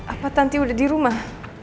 apa tanti udah di rumah